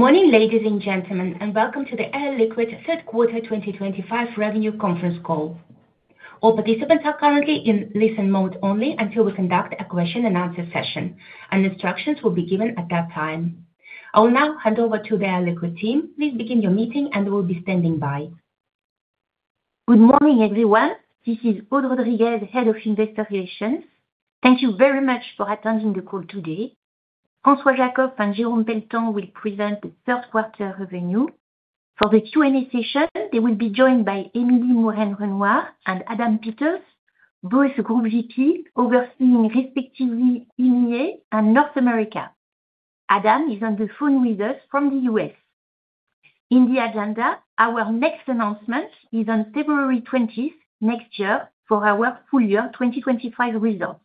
Good morning, ladies and gentlemen, and welcome to the Air Liquide third quarter 2025 revenue conference call. All participants are currently in listen mode only until we conduct a question and answer session, and instructions will be given at that time. I will now hand over to the Air Liquide team. Please begin your meeting, and we'll be standing by. Good morning, everyone. This is Aude Rodriguez, Head of Investor Relations. Thank you very much for attending the call today. François Jackow and Jérôme Pelletan will present the third quarter revenue. For the Q&A session, they will be joined by Emilie Mouren-Renouard and Adam Peters, both Group VP, overseeing respectively EAMEI and North America. Adam is on the phone with us from the U.S. In the agenda, our next announcement is on February 20, 2025, for our full year 2024 results.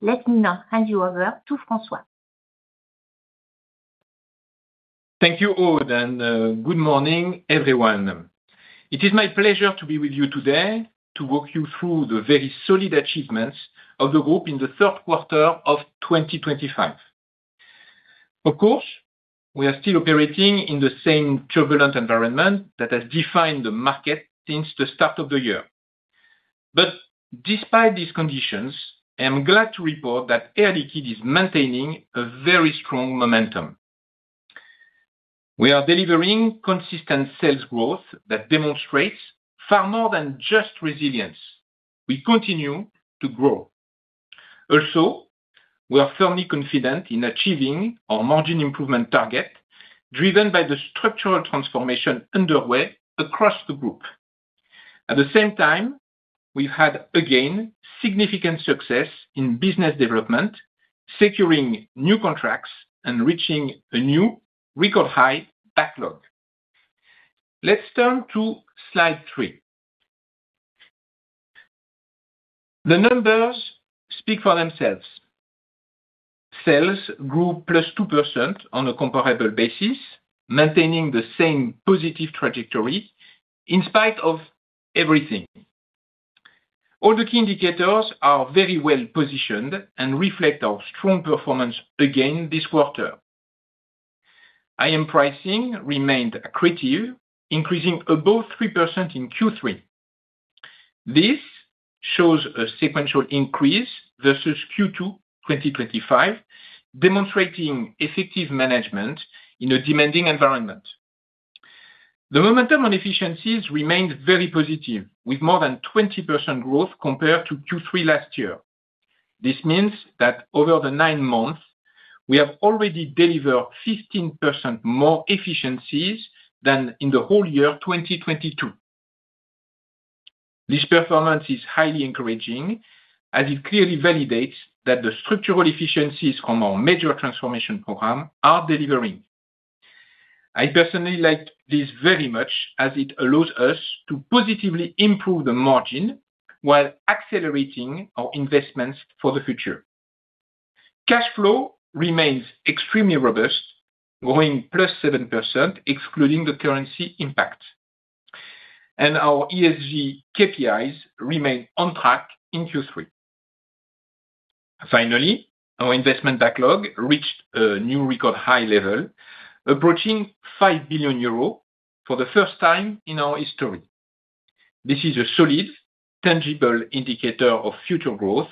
Let me now hand you over to François. Thank you, Aude, and good morning, everyone. It is my pleasure to be with you today to walk you through the very solid achievements of the group in the third quarter of 2025. Of course, we are still operating in the same turbulent environment that has defined the market since the start of the year. Despite these conditions, I am glad to report that Air Liquide is maintaining a very strong momentum. We are delivering consistent sales growth that demonstrates far more than just resilience. We continue to grow. Also, we are firmly confident in achieving our margin improvement target, driven by the structural transformation underway across the group. At the same time, we've had, again, significant success in business development, securing new contracts, and reaching a new record high backlog. Let's turn to slide three. The numbers speak for themselves. Sales grew +2% on a comparable basis, maintaining the same positive trajectory in spite of everything. All the key indicators are very well positioned and reflect our strong performance again this quarter. IM pricing remained accurate, increasing above 3% in Q3. This shows a sequential increase versus Q2 2025, demonstrating effective management in a demanding environment. The momentum on efficiencies remained very positive, with more than 20% growth compared to Q3 last year. This means that over the nine months, we have already delivered 15% more efficiencies than in the whole year 2022. This performance is highly encouraging, as it clearly validates that the structural efficiencies from our major transformation program are delivering. I personally like this very much, as it allows us to positively improve the margin while accelerating our investments for the future. Cash flow remains extremely robust, growing +7%, excluding the currency impact. Our ESG KPIs remain on track in Q3. Finally, our investment backlog reached a new record high level, approaching 5 billion euros for the first time in our history. This is a solid, tangible indicator of future growth,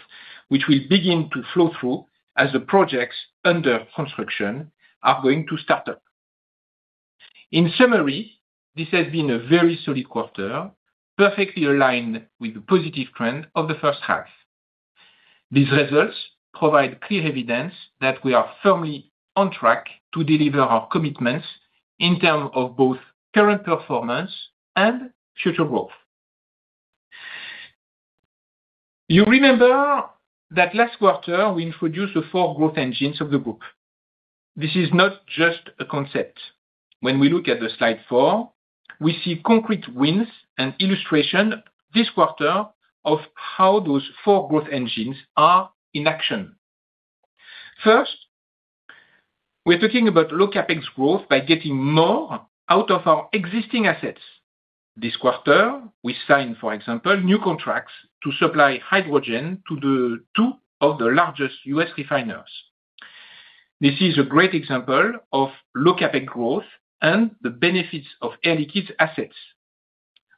which will begin to flow through as the projects under construction are going to start up. In summary, this has been a very solid quarter, perfectly aligned with the positive trend of the first half. These results provide clear evidence that we are firmly on track to deliver our commitments in terms of both current performance and future growth. You remember that last quarter, we introduced the four growth engines of the group. This is not just a concept. When we look at slide four, we see concrete wins and illustrations this quarter of how those four growth engines are in action. First, we're talking about low CapEx growth by getting more out of our existing assets. This quarter, we signed, for example, new contracts to supply hydrogen to two of the largest U.S. refineries. This is a great example of low CapEx growth and the benefits of Air Liquide's assets.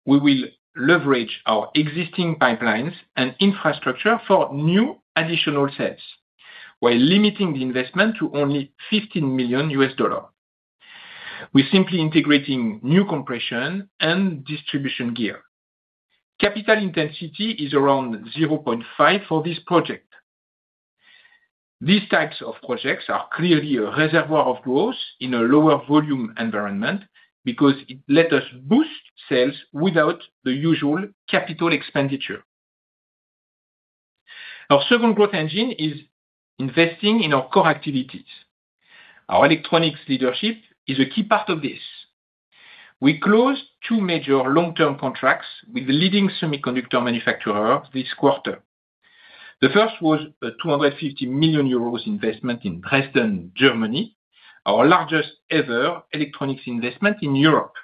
We will leverage our existing pipelines and infrastructure for new additional sales, while limiting the investment to only $15 million. We're simply integrating new compression and distribution gear. Capital intensity is around 0.5 for this project. These types of projects are clearly a reservoir of growth in a lower volume environment because it lets us boost sales without the usual capital expenditure. Our second growth engine is investing in our core activities. Our electronics leadership is a key part of this. We closed two major long-term contracts with leading semiconductor manufacturers this quarter. The first was a 250 million euros investment in Dresden, Germany, our largest ever electronics investment in Europe.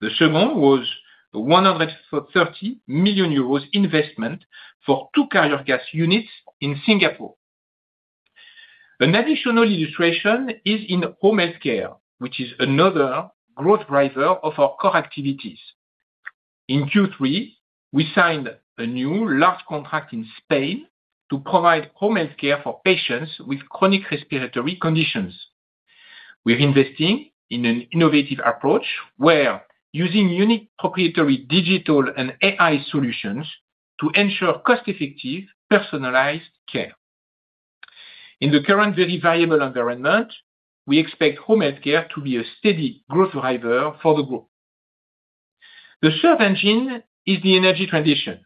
The second was a 130 million euros investment for two carrier gas units in Singapore. An additional illustration is in home health care, which is another growth driver of our core activities. In Q3, we signed a new large contract in Spain to provide home health care for patients with chronic respiratory conditions. We're investing in an innovative approach where we're using unique proprietary digital and AI solutions to ensure cost-effective personalized care. In the current very variable environment, we expect home health care to be a steady growth driver for the group. The third engine is the energy transition.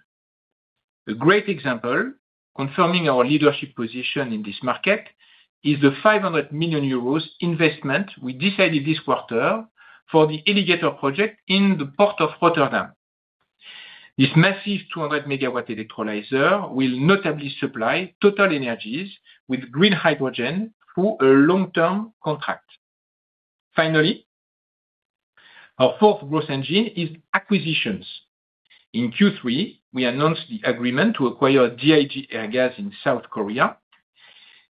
A great example, confirming our leadership position in this market, is the 500 million euros investment we decided this quarter for the Alligator project in the port of Rotterdam. This massive 200 MW electrolyzer will notably supply TotalEnergies with green hydrogen through a long-term contract. Finally, our fourth growth engine is acquisitions. In Q3, we announced the agreement to acquire DIG Air Gas in South Korea.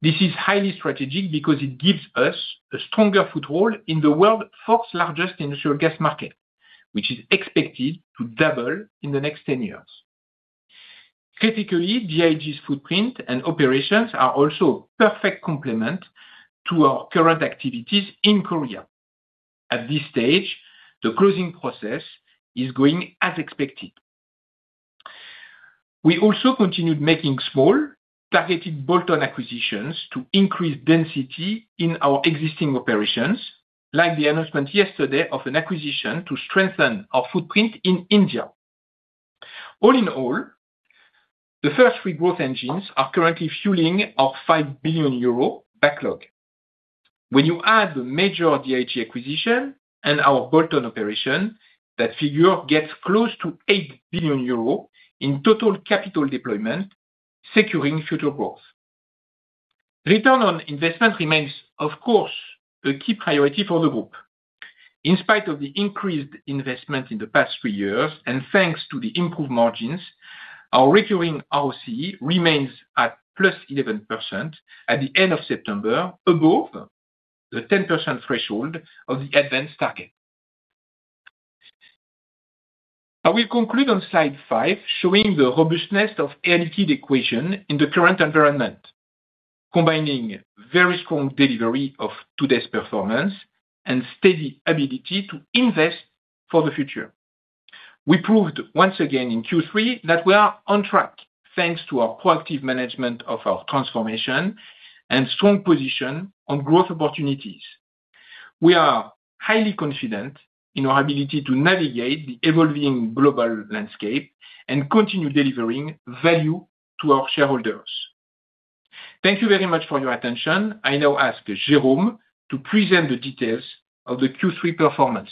This is highly strategic because it gives us a stronger foothold in the world's fourth largest industrial gas market, which is expected to double in the next 10 years. Critically, DIG's footprint and operations are also a perfect complement to our current activities in Korea. At this stage, the closing process is going as expected. We also continued making small targeted bolt-on acquisitions to increase density in our existing operations, like the announcement yesterday of an acquisition to strengthen our footprint in India. All in all, the first three growth engines are currently fueling our 5 billion euro backlog. When you add the major DIG Air Gas acquisition and our bolt-on operation, that figure gets close to 8 billion euros in total capital deployment, securing future growth. Return on investment remains, of course, a key priority for the group. In spite of the increased investment in the past three years, and thanks to the improved margins, our recurring ROCE remains at +11% at the end of September, above the 10% threshold of the advanced target. I will conclude on slide five, showing the robustness of Air Liquide's equation in the current environment, combining very strong delivery of today's performance and steady ability to invest for the future. We proved once again in Q3 that we are on track, thanks to our proactive management of our transformation and strong position on growth opportunities. We are highly confident in our ability to navigate the evolving global landscape and continue delivering value to our shareholders. Thank you very much for your attention. I now ask Jérôme to present the details of the Q3 performance.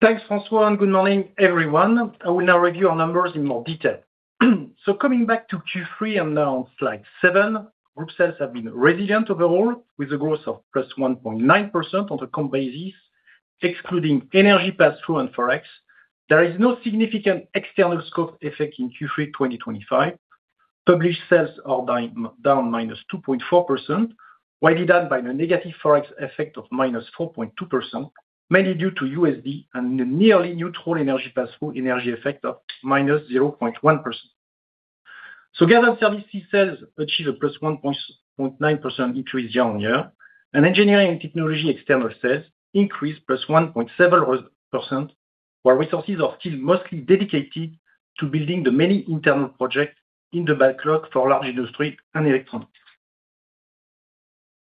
Thanks, François, and good morning, everyone. I will now review our numbers in more detail. Coming back to Q3, I'm now on slide seven. Group sales have been resilient overall, with a growth of +1.9% on the comparable basis, excluding energy pass-through and forex. There is no significant external scope effect in Q3 2025. Published sales are down -2.4%, widely due to the negative forex effect of -4.2%, mainly due to USD and the nearly neutral energy pass-through effect of -0.1%. Gas and services sales achieve a +1.9% increase year-on-year, and engineering and technology external sales increase +1.7%, while resources are still mostly dedicated to building the many internal projects in the backlog for large industries and electronics.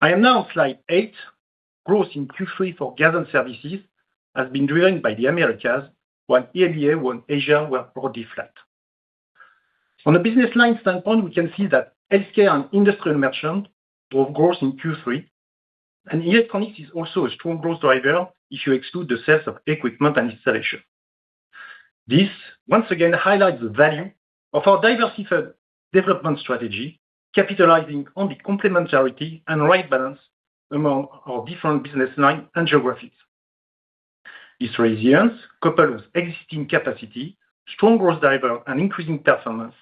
I am now on slide eight. Growth in Q3 for gas and services has been driven by the Americas, while EMEA and Asia were broadly flat. On a business line standpoint, we can see that healthcare and industrial merchants drove growth in Q3, and electronics is also a strong growth driver if you exclude the sales of equipment and installation. This, once again, highlights the value of our diversified development strategy, capitalizing on the complementarity and right balance among our different business lines and geographies. This resilience, coupled with existing capacity, strong growth drivers, and increasing performance,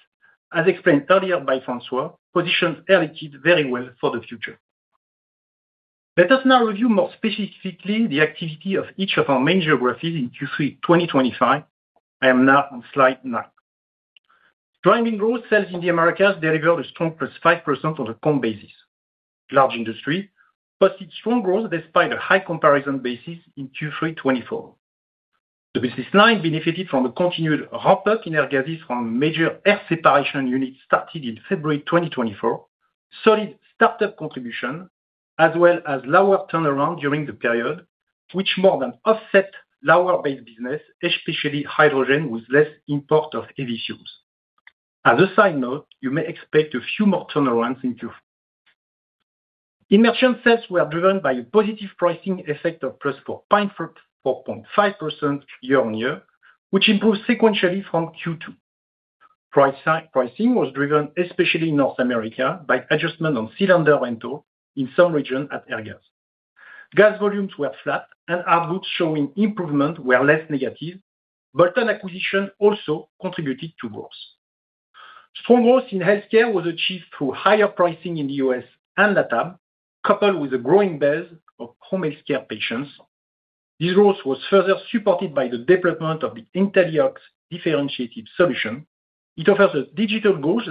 as explained earlier by François, positions Air Liquide very well for the future. Let us now review more specifically the activity of each of our main geographies in Q3 2025. I am now on slide nine. Driving growth, sales in the Americas delivered a strong +5% on the comparable basis. Large industries posted strong growth despite a high comparison basis in Q3 2024. The business line benefited from the continued ramp-up in air gases from a major air separation unit started in February 2024, solid startup contribution, as well as lower turnarounds during the period, which more than offset lower base business, especially hydrogen, with less import of heavy fuels. As a side note, you may expect a few more turnarounds in Q3. In merchant sales, we were driven by a positive pricing effect of +4.5% year-on-year, which improved sequentially from Q2. Pricing was driven especially in North America by adjustment on cylinder rental in some regions at Air Gas. Gas volumes were flat, and outputs showing improvement were less negative. Bolt-on acquisitions also contributed to growth. Strong growth in healthcare was achieved through higher pricing in the U.S. and LatAm, coupled with the growing buzz of home healthcare patients. This growth was further supported by the development of the Intelli-Ox differentiated solution. It offers a digital gauge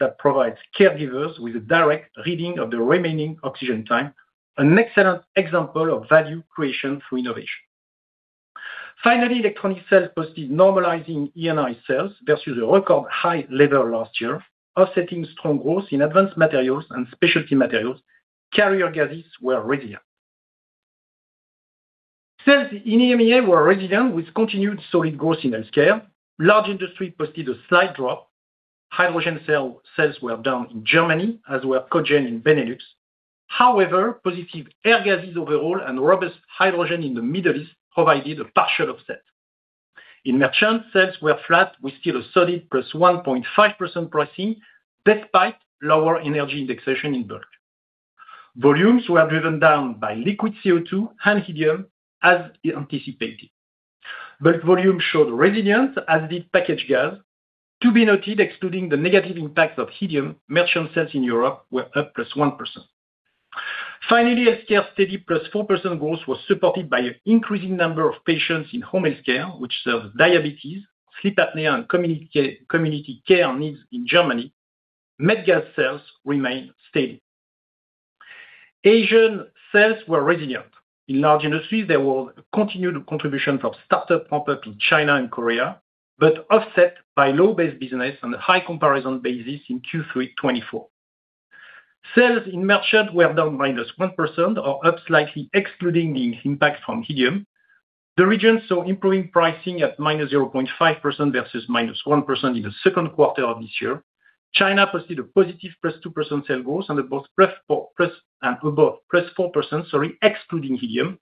that provides caregivers with a direct reading of the remaining oxygen time, an excellent example of value creation through innovation. Finally, electronic sales posted normalizing ENI sales versus a record high level last year, offsetting strong growth in advanced materials and specialty materials. Carrier gases were resilient. Sales in EMEA were resilient, with continued solid growth in healthcare. Large industries posted a slight drop. Hydrogen sales were down in Germany, as were cogeneration in Benelux. However, positive air gases overall and robust hydrogen in the Middle East provided a partial offset. In merchants, sales were flat, with still a solid +1.5% pricing despite lower energy indexation in bulk. Volumes were driven down by liquid CO2 and helium, as anticipated. Bulk volumes showed resilience, as did packaged gas. To be noted, excluding the negative impacts of helium, merchant sales in Europe were up +1%. Finally, healthcare's steady +4% growth was supported by an increasing number of patients in home healthcare, which serves diabetes, sleep apnea, and community care needs in Germany. MedGas sales remain steady, Asian sales were resilient. In large industries, there was a continued contribution from startup ramp-up in China and South Korea, but offset by low-based business and a high comparison basis in Q3 2024. Sales in merchants were down -1%, or up slightly, excluding the impact from helium. The regions saw improving pricing at -0.5% versus -1% in the second quarter of this year. China posted a positive +2% sales growth and above +4%, excluding helium,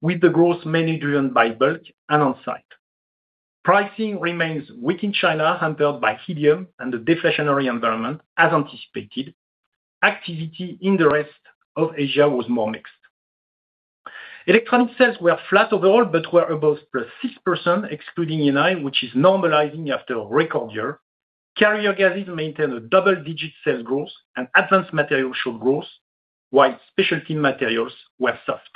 with the growth mainly driven by bulk and onsite. Pricing remains weak in China, hampered by helium and the deflationary environment, as anticipated. Activity in the rest of Asia was more mixed. Electronic sales were flat overall, but were above +6%, excluding ENI, which is normalizing after a record year. Carrier gases maintained a double-digit sales growth, and advanced materials showed growth, while specialty materials were soft.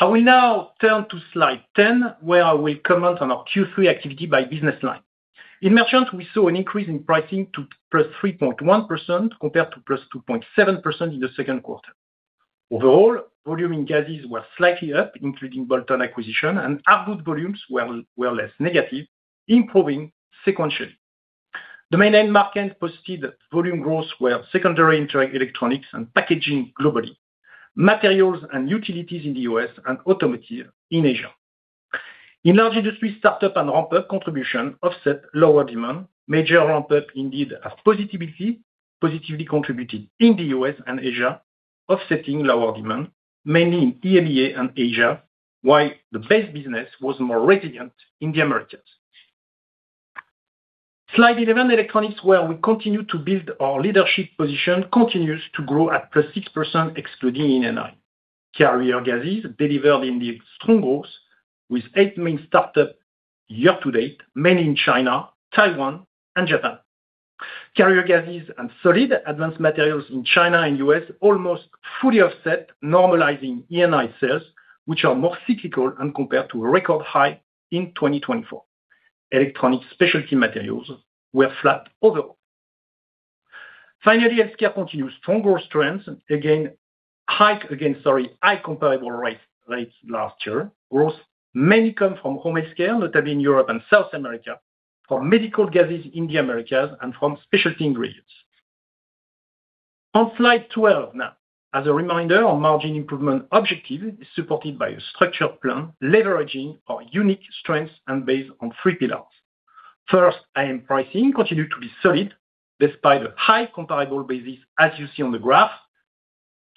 I will now turn to slide 10, where I will comment on our Q3 activity by business line. In merchants, we saw an increase in pricing to +3.1% compared to +2.7% in the second quarter. Overall, volume in gases was slightly up, including bolt-on acquisition, and output volumes were less negative, improving sequentially. The main end markets posted volume growth were secondary electronics and packaging globally, materials and utilities in the U.S., and automotive in Asia. In large industries, startup and ramp-up contribution offset lower demand. Major ramp-up indeed has positively contributed in the U.S. and Asia, offsetting lower demand, mainly in EMEA and Asia, while the base business was more resilient in the Americas. Slide 11, electronics, where we continue to build our leadership position, continues to grow at +6%, excluding ENI. Carrier gases delivered indeed strong growth, with eight main startups year to date, mainly in China, Taiwan, and Japan. Carrier gases and solid advanced materials in China and U.S. almost fully offset, normalizing ENI sales, which are more cyclical and compared to a record high in 2024. Electronic specialty materials were flat overall. Finally, healthcare continues strong growth, again, sorry, high comparable rates last year. Growth mainly comes from home healthcare, notably in Europe and South America, from medical gases in the Americas, and from specialty ingredients. On slide 12 now, as a reminder, our margin improvement objective is supported by a structured plan leveraging our unique strengths and based on three pillars. First, IM pricing continues to be solid despite a high comparable basis, as you see on the graph.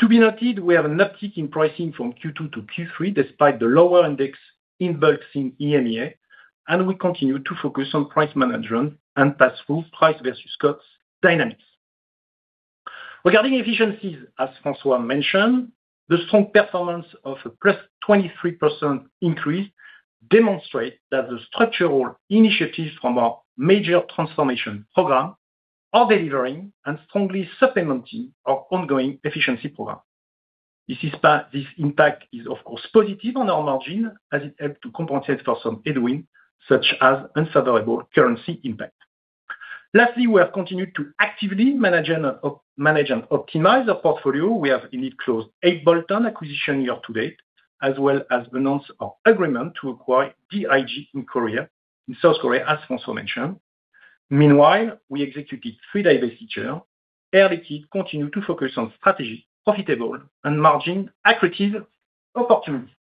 To be noted, we have an uptick in pricing from Q2 to Q3, despite the lower index in bulks in EMEA, and we continue to focus on price management and pass-through price versus cost dynamics. Regarding efficiencies, as François mentioned, the strong performance of a +23% increase demonstrates that the structural initiatives from our major transformation program are delivering and strongly supplementing our ongoing efficiency program. This impact is, of course, positive on our margin, as it helps to compensate for some headwind, such as unfavorable currency impact. Lastly, we have continued to actively manage and optimize our portfolio. We have indeed closed eight bolt-on acquisitions year to date, as well as announced our agreement to acquire DIG Air Gas in South Korea, as François mentioned. Meanwhile, we executed three divestitures. Air Liquide continues to focus on strategic, profitable, and margin accurate opportunities.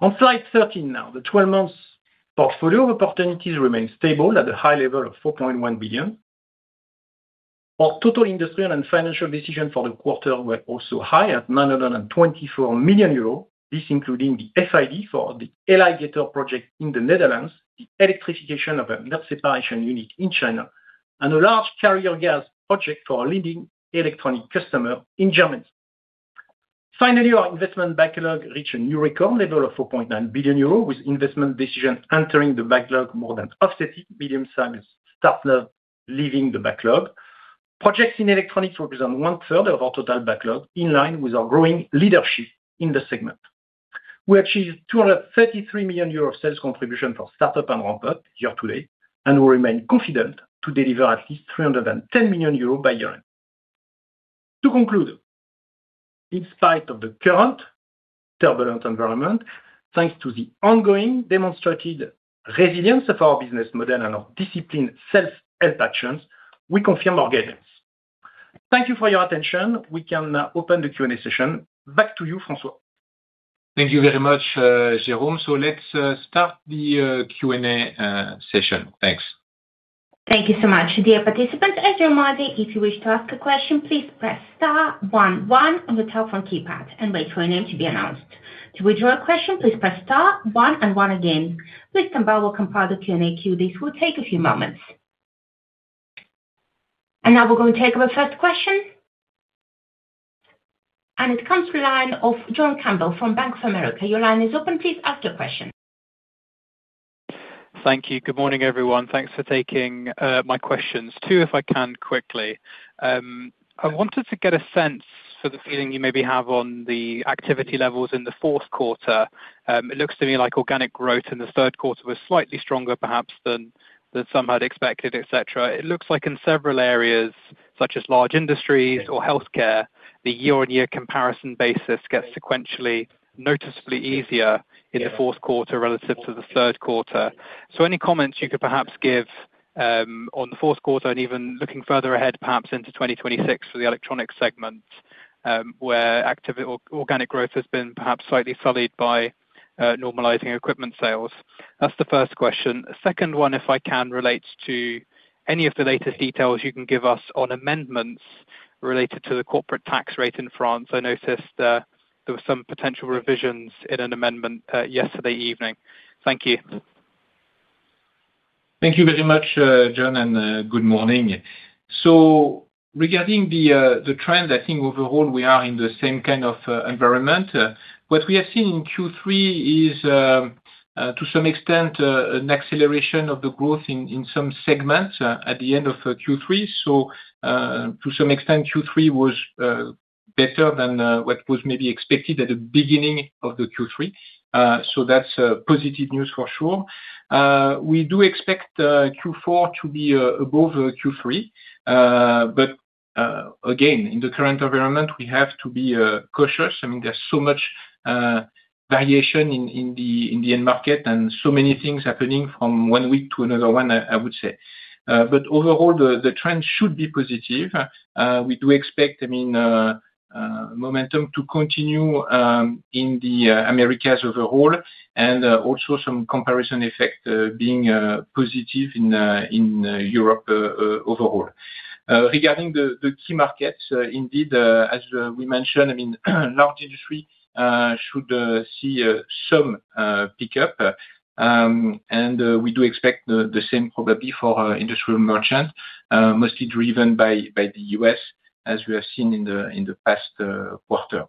On slide 13 now, the 12-month portfolio of opportunities remains stable at a high level of 4.1 billion. Our total industrial and financial decisions for the quarter were also high at 924 million euros. This including the FID for the ELYgator electrolyzer project in the Netherlands, the electrification of a net separation unit in China, and a large carrier gas project for a leading electronic customer in Germany. Finally, our investment backlog reached a new record level of 4.9 billion euros, with investment decisions entering the backlog more than offsetting medium-sized startups leaving the backlog. Projects in electronics represent one-third of our total backlog, in line with our growing leadership in the segment. We achieved 233 million euros of sales contribution for startup and ramp-up year to date, and we remain confident to deliver at least 310 million euros by year end. To conclude, in spite of the current turbulent environment, thanks to the ongoing demonstrated resilience of our business model and our disciplined self-help actions, we confirmed our guidance. Thank you for your attention. We can now open the Q&A session. Back to you, François. Thank you very much, Jérôme. Let's start the Q&A session. Thanks. Thank you so much. Dear participants, as you're aware, if you wish to ask a question, please press star one one on the top right keypad and wait for your name to be announced. To withdraw a question, please press star one one again. Ms. Campbell will compile the Q&A queue. This will take a few moments. Now we're going to take our first question. It comes from the line of John Campbell from Bank of America. Your line is open. Please ask your question. Thank you. Good morning, everyone. Thanks for taking my questions, too, if I can quickly. I wanted to get a sense for the feeling you maybe have on the activity levels in the fourth quarter. It looks to me like organic growth in the third quarter was slightly stronger, perhaps, than some had expected. It looks like in several areas, such as large industries or healthcare, the year-on-year comparison basis gets sequentially noticeably easier in the fourth quarter relative to the third quarter. Any comments you could perhaps give on the fourth quarter and even looking further ahead, perhaps into 2026 for the electronics segment, where organic growth has been perhaps slightly sullied by normalizing equipment sales? That's the first question. The second one, if I can, relates to any of the latest details you can give us on amendments related to the corporate tax rate in France. I noticed there were some potential revisions in an amendment yesterday evening. Thank you. Thank you very much, John, and good morning. Regarding the trend, I think overall we are in the same kind of environment. What we have seen in Q3 is, to some extent, an acceleration of the growth in some segments at the end of Q3. To some extent, Q3 was better than what was maybe expected at the beginning of Q3. That's positive news for sure. We do expect Q4 to be above Q3. Again, in the current environment, we have to be cautious. I mean, there's so much variation in the end market and so many things happening from one week to another one, I would say. Overall, the trend should be positive. We do expect momentum to continue in the Americas overall, and also some comparison effect being positive in Europe overall. Regarding the key markets, indeed, as we mentioned, large industries should see some pickup. We do expect the same probably for industrial merchants, mostly driven by the U.S., as we have seen in the past quarter.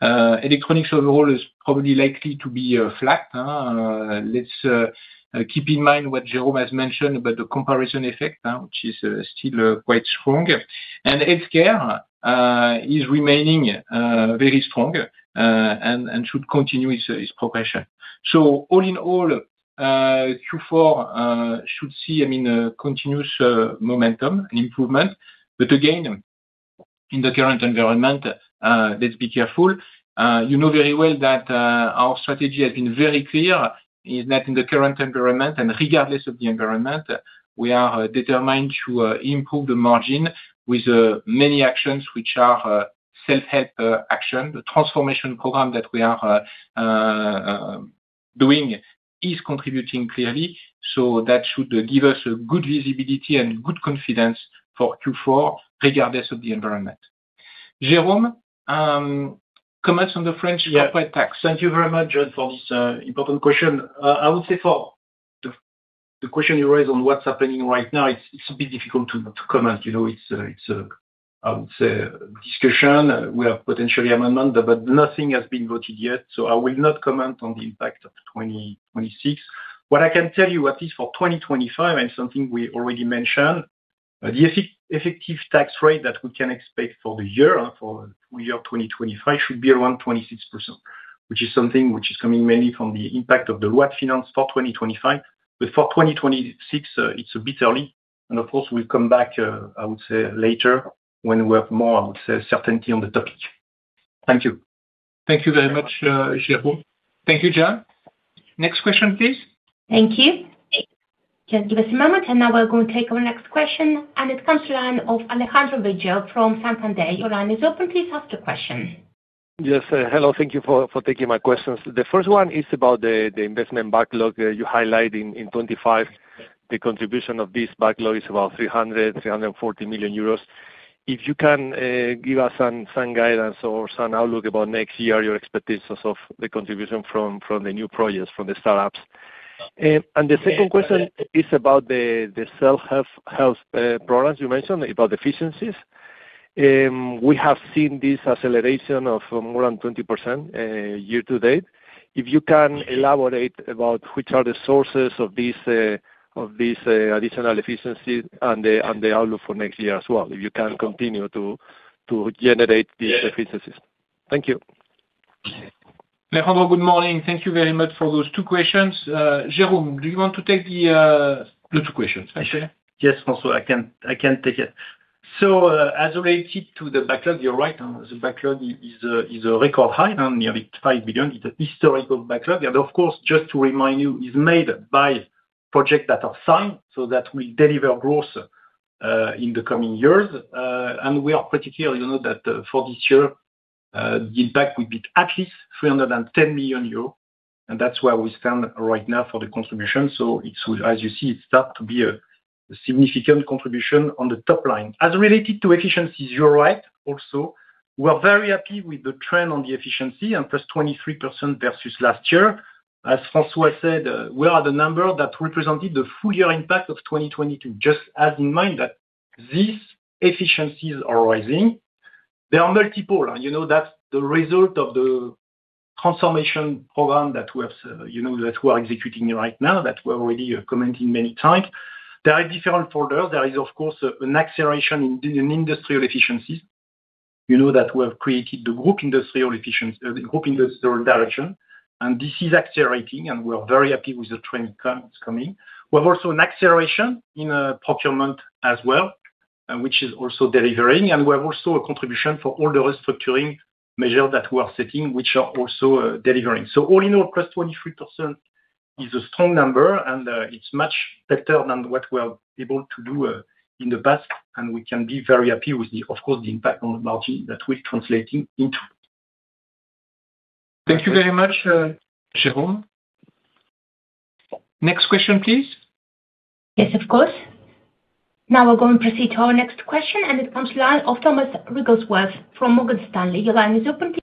Electronics overall is probably likely to be flat. Let's keep in mind what Jérôme has mentioned about the comparison effect, which is still quite strong. Healthcare is remaining very strong and should continue its progression. All in all, Q4 should see continuous momentum and improvement. Again, in the current environment, let's be careful. You know very well that our strategy has been very clear that in the current environment, and regardless of the environment, we are determined to improve the margin with many actions, which are self-help actions. The transformation program that we are doing is contributing clearly. That should give us a good visibility and good confidence for Q4, regardless of the environment. Jérôme, comments on the French corporate tax? Thank you very much, John, for this important question. I would say for the question you raise on what's happening right now, it's a bit difficult to comment. It's a discussion. We have potentially amendments, but nothing has been voted yet. I will not comment on the impact of 2026. What I can tell you at least for 2025 and something we already mentioned, the effective tax rate that we can expect for the year 2025 should be around 26%, which is something which is coming mainly from the impact of the ROAT finance for 2025. For 2026, it's a bit early. Of course, we'll come back later when we have more certainty on the topic. Thank you. Thank you very much, Jérôme. Thank you, John. Next question, please. Thank you. Just give us a moment, now we're going to take our next question. It comes to the line of Alejandro Bello from Santander. Your line is open. Please ask your question. Yes. Hello. Thank you for taking my questions. The first one is about the investment backlog you highlighted in 2025. The contribution of this backlog is about 300 million, 340 million euros. If you can give us some guidance or some outlook about next year, your expectations of the contribution from the new projects, from the startups. The second question is about the self-help programs you mentioned about efficiencies. We have seen this acceleration of more than 20% year to date. If you can elaborate about which are the sources of these additional efficiencies and the outlook for next year as well, if you can continue to generate these efficiencies. Thank you. [Merhaba], good morning. Thank you very much for those two questions. Jérôme, do you want to take the two questions, actually? Yes, François, I can take it. As related to the backlog, you're right. The backlog is a record high, nearly 5 billion. It's a historical backlog. Of course, just to remind you, it's made by projects that are signed so that we deliver growth in the coming years. We are pretty clear, you know, that for this year, the impact would be at least 310 million euros. That's where we stand right now for the contribution. As you see, it starts to be a significant contribution on the top line. As related to efficiencies, you're right. Also, we're very happy with the trend on the efficiency and +23% versus last year. As François said, we're at a number that represented the full-year impact of 2022. Just have in mind that these efficiencies are rising. They are multiple. You know, that's the result of the transformation program that we are, you know, that we're executing right now, that we're already commenting many times. There are different folders. There is, of course, an acceleration in industrial efficiencies. You know that we have created the Group Industrial Efficiency, the Group Industrial Direction. This is accelerating, and we're very happy with the trend coming. We have also an acceleration in procurement as well, which is also delivering. We have also a contribution for all the restructuring measures that we are setting, which are also delivering. All in all, plus 23% is a strong number, and it's much better than what we're able to do in the past. We can be very happy with, of course, the impact on the margin that we're translating into. Thank you very much, Jérôme. Next question, please. Yes, of course. Now we're going to proceed to our next question, and it comes to the line of Thomas Wrigglesworth from Morgan Stanley. Your line is open.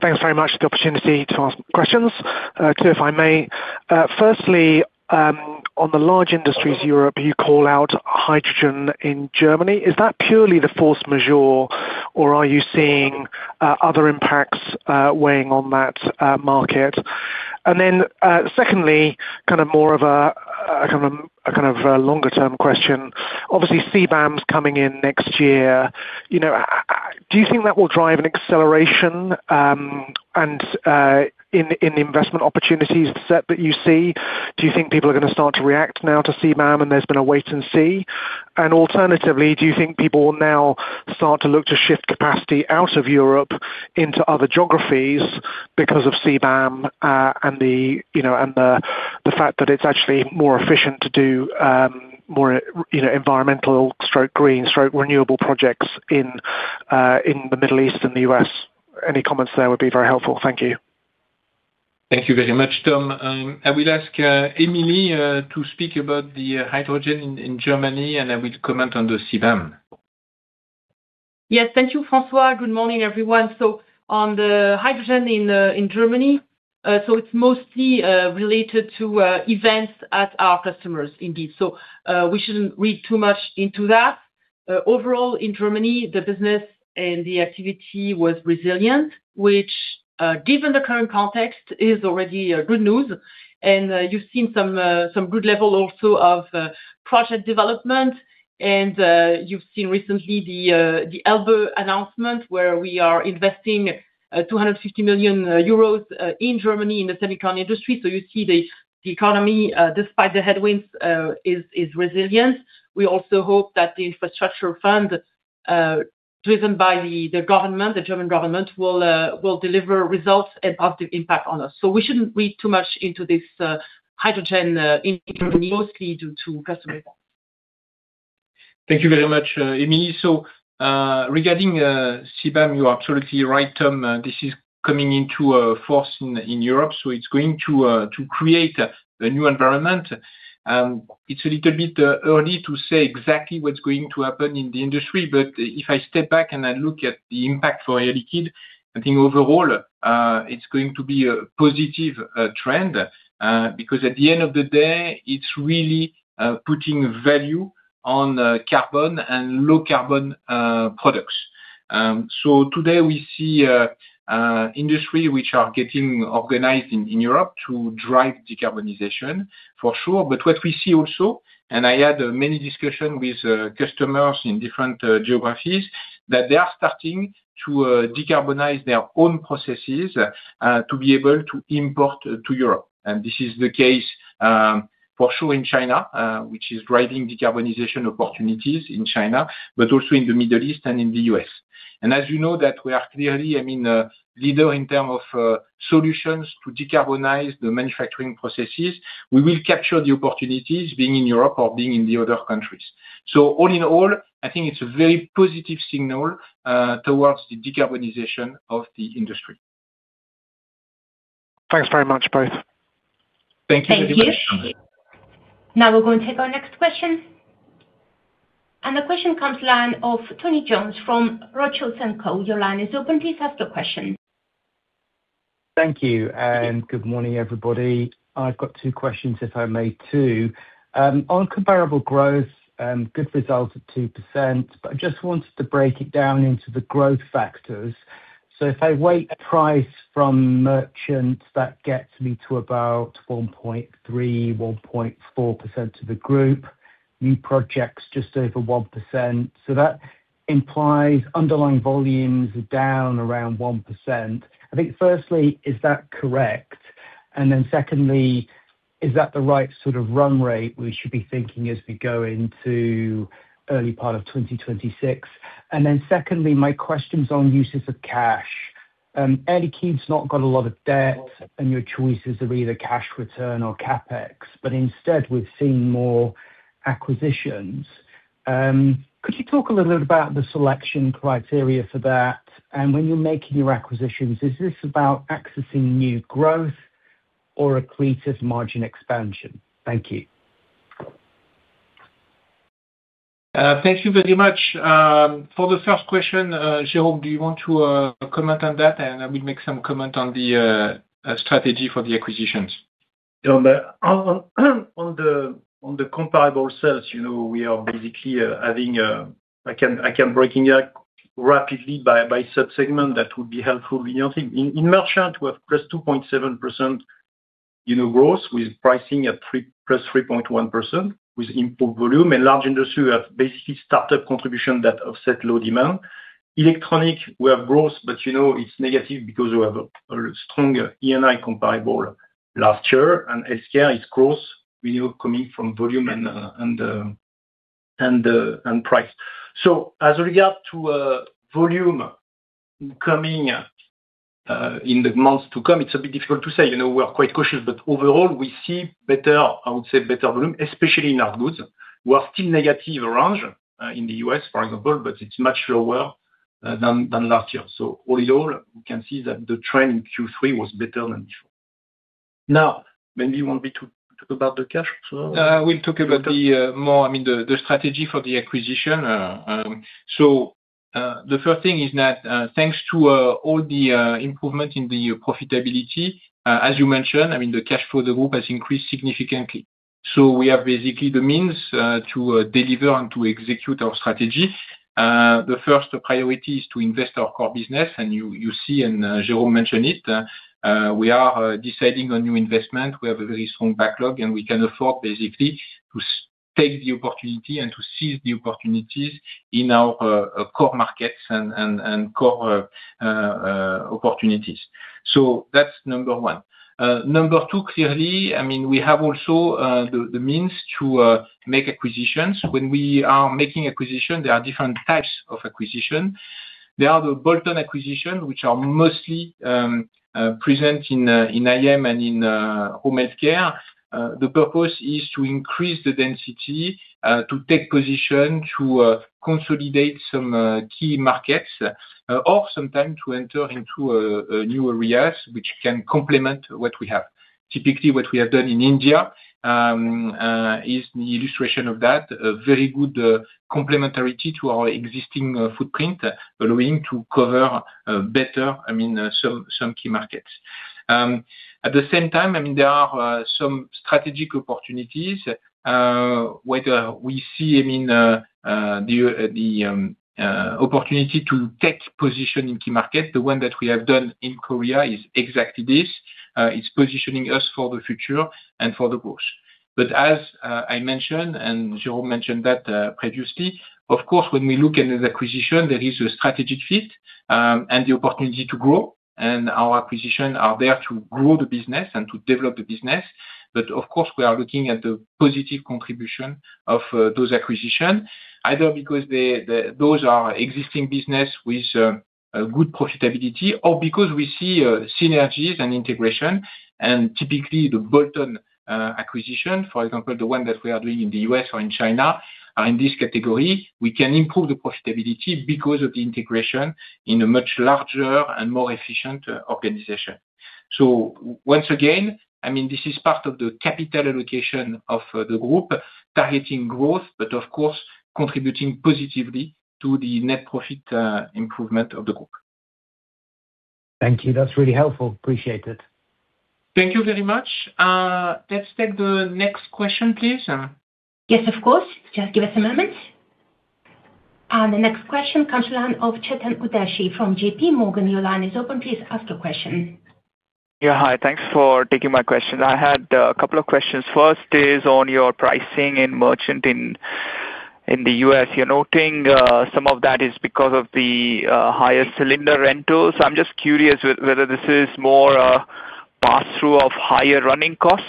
Thanks very much for the opportunity to ask questions. If I may, firstly, on the large industries Europe, you call out hydrogen in Germany. Is that purely the force majeure, or are you seeing other impacts weighing on that market? Secondly, kind of more of a longer-term question. Obviously, CBAM is coming in next year. Do you think that will drive an acceleration in the investment opportunities set that you see? Do you think people are going to start to react now to CBAM, and there's been a wait and see? Alternatively, do you think people will now start to look to shift capacity out of Europe into other geographies because of CBAM and the fact that it's actually more efficient to do more environmental/green/renewable projects in the Middle East and the U.S.? Any comments there would be very helpful. Thank you. Thank you very much, Tom. I will ask Emilie to speak about the hydrogen in Germany, and I will comment on the CBAM. Yes. Thank you, François. Good morning, everyone. On the hydrogen in Germany, it's mostly related to events at our customers indeed. We shouldn't read too much into that. Overall, in Germany, the business and the activity was resilient, which given the current context is already good news. You've seen some good level also of project development. You've seen recently the ELBE announcement where we are investing 250 million euros in Germany in the semiconductor industry. You see the economy, despite the headwinds, is resilient. We also hope that the infrastructure fund driven by the German government will deliver results and positive impact on us. We shouldn't read too much into this hydrogen in Germany, mostly due to customers. Thank you very much, Emilie. Regarding CBAM, you're absolutely right, Tom. This is coming into force in Europe. It's going to create a new environment. It's a little bit early to say exactly what's going to happen in the industry. If I step back and I look at the impact for Air Liquide, I think overall it's going to be a positive trend because at the end of the day, it's really putting value on carbon and low-carbon products. Today we see industries which are getting organized in Europe to drive decarbonization, for sure. What we see also, and I had many discussions with customers in different geographies, is that they are starting to decarbonize their own processes to be able to import to Europe. This is the case, for sure, in China, which is driving decarbonization opportunities in China, but also in the Middle East and in the U.S. As you know, we are clearly a leader in terms of solutions to decarbonize the manufacturing processes. We will capture the opportunities being in Europe or being in the other countries. All in all, I think it's a very positive signal towards the decarbonization of the industry. Thanks very much, both. Thank you. Thank you. Now we're going to take our next question. The question comes to the line of Tony Jones from Rothschild & Co. Your line is open. Please ask your question. Thank you. Good morning, everybody. I've got two questions, if I may, too. On comparable growth, good results at 2%, but I just wanted to break it down into the growth factors. If I weigh price from merchants, that gets me to about 1.3%, 1.4% of the group. New projects just over 1%. That implies underlying volumes are down around 1%. I think, firstly, is that correct? Secondly, is that the right sort of run rate we should be thinking as we go into the early part of 2026? My question is on uses of cash. Air Liquide's not got a lot of debt, and your choices are either cash return or CapEx. Instead, we've seen more acquisitions. Could you talk a little bit about the selection criteria for that? When you're making your acquisitions, is this about accessing new growth or a clear margin expansion? Thank you. Thank you very much. For the first question, Jérôme, do you want to comment on that? I will make some comments on the strategy for the acquisitions. On the comparable sales, you know, we are basically having, I can break it down rapidly by subsegment. That would be helpful. In merchants, we have +2.7% growth, with pricing at +3.1%, with improved volume. In large industries, we have basically startup contributions that offset low demand. Electronics, we have growth, but you know it's negative because we have a strong ENI comparable last year. In healthcare, it's growth, you know, coming from volume and price. As regards to volume coming in the months to come, it's a bit difficult to say. You know, we're quite cautious. Overall, we see better, I would say, better volume, especially in our goods. We're still negative orange in the U.S., for example, but it's much lower than last year. All in all, we can see that the trend in Q3 was better than before. Now, maybe you want me to talk about the cash? We'll talk about the more, I mean, the strategy for the acquisition. The first thing is that thanks to all the improvements in the profitability, as you mentioned, the cash flow of the group has increased significantly. We have basically the means to deliver and to execute our strategy. The first priority is to invest our core business. You see, and Jérôme mentioned it, we are deciding on new investment. We have a very strong backlog, and we can afford basically to take the opportunity and to seize the opportunities in our core markets and core opportunities. That's number one. Number two, clearly, we have also the means to make acquisitions. When we are making acquisitions, there are different types of acquisitions. There are the bolt-on acquisitions, which are mostly present in IM and in home healthcare. The purpose is to increase the density, to take position, to consolidate some key markets, or sometimes to enter into new areas which can complement what we have. Typically, what we have done in India is the illustration of that, a very good complementarity to our existing footprint, allowing to cover better some key markets. At the same time, there are some strategic opportunities, whether we see the opportunity to take position in key markets. The one that we have done in South Korea is exactly this. It's positioning us for the future and for the growth. As I mentioned, and Jérôme mentioned that previously, of course, when we look at the acquisition, there is a strategic fit and the opportunity to grow. Our acquisitions are there to grow the business and to develop the business. Of course, we are looking at the positive contribution of those acquisitions, either because those are existing businesses with good profitability or because we see synergies and integration. Typically, the bolt-on acquisitions, for example, the one that we are doing in the U.S. or in China, are in this category. We can improve the profitability because of the integration in a much larger and more efficient organization. Once again, this is part of the capital allocation of the group, targeting growth, but of course, contributing positively to the net profit improvement of the group. Thank you. That's really helpful. Appreciate it. Thank you very much. Let's take the next question, please. Yes, of course. Just give us a moment. The next question comes to the line of Chetan Uttashy from JPMorgan. Your line is open. Please ask your question. Yeah. Hi. Thanks for taking my question. I had a couple of questions. First is on your pricing in merchant in the U.S. You're noting some of that is because of the higher cylinder rentals. I'm just curious whether this is more a pass-through of higher running costs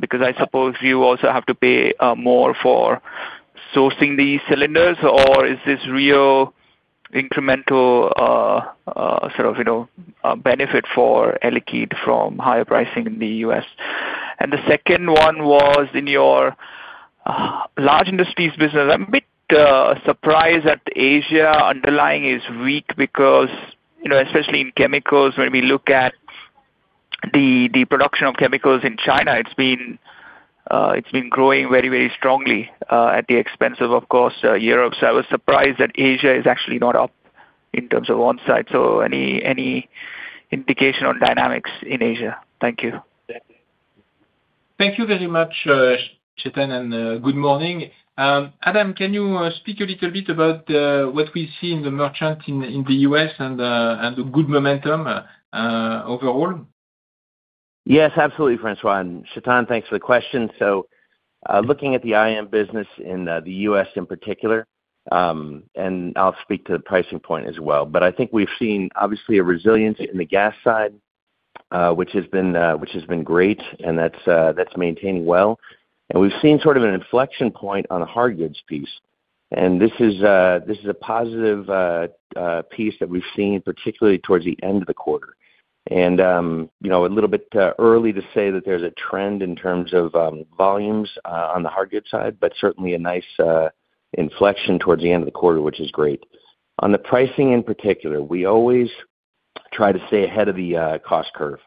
because I suppose you also have to pay more for sourcing these cylinders, or is this real incremental sort of, you know, benefit for Air Liquide from higher pricing in the U.S.? The second one was in your Large Industries business. I'm a bit surprised that Asia underlying is weak because, you know, especially in chemicals, when we look at the production of chemicals in China, it's been growing very, very strongly at the expense of, of course, Europe. I was surprised that Asia is actually not up in terms of onsite. Any indication on dynamics in Asia? Thank you. Thank you very much, Chetan, and good morning. Adam, can you speak a little bit about what we see in the merchant in the U.S. and the good momentum overall? Yes, absolutely, François. Chetan, thanks for the question. Looking at the IM business in the U.S. in particular, I'll speak to the pricing point as well. I think we've seen, obviously, a resilience in the gas side, which has been great, and that's maintaining well. We've seen sort of an inflection point on the hard goods piece. This is a positive piece that we've seen, particularly towards the end of the quarter. It's a little bit early to say that there's a trend in terms of volumes on the hard goods side, but certainly a nice inflection towards the end of the quarter, which is great. On the pricing in particular, we always try to stay ahead of the cost curve.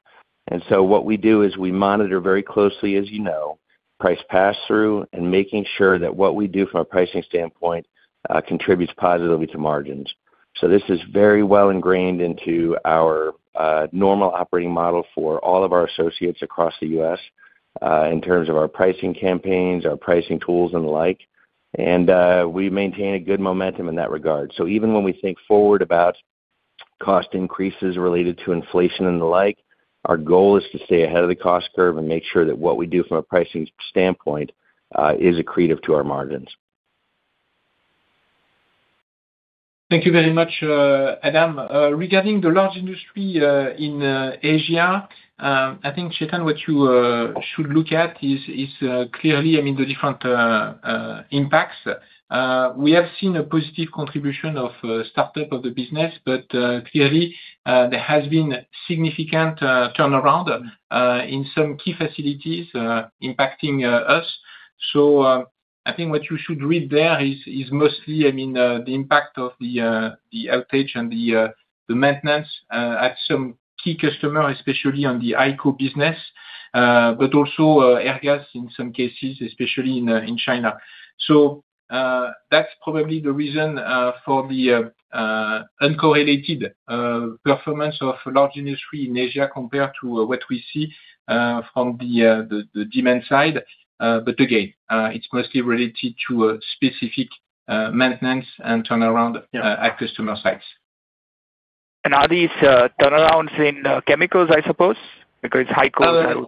What we do is we monitor very closely, as you know, price pass-through and making sure that what we do from a pricing standpoint contributes positively to margins. This is very well ingrained into our normal operating model for all of our associates across the U.S. in terms of our pricing campaigns, our pricing tools, and the like. We maintain a good momentum in that regard. Even when we think forward about cost increases related to inflation and the like, our goal is to stay ahead of the cost curve and make sure that what we do from a pricing standpoint is accretive to our margins. Thank you very much, Adam. Regarding the large industry in Asia, I think, Chetan, what you should look at is clearly the different impacts. We have seen a positive contribution of startups of the business, but clearly, there has been significant turnaround in some key facilities impacting us. I think what you should read there is mostly the impact of the outage and the maintenance at some key customers, especially on the AECO business, but also Air Gas in some cases, especially in China. That is probably the reason for the uncorrelated performance of large industry in Asia compared to what we see from the demand side. Again, it's mostly related to specific maintenance and turnaround at customer sites. Are these turnarounds in chemicals, I suppose? Because AECO.